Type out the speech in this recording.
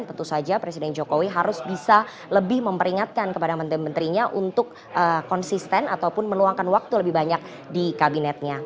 tentu saja presiden jokowi harus bisa lebih memperingatkan kepada menteri menterinya untuk konsisten ataupun meluangkan waktu lebih banyak di kabinetnya